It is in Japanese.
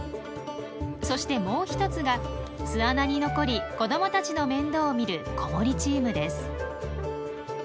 そしてもう一つが巣穴に残り子どもたちの面倒を見る子守チームです。